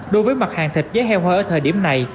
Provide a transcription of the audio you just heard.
đối với mặt hàng thịt giá heo hơi ở thời điểm này